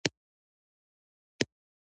زه انجینری زده کوم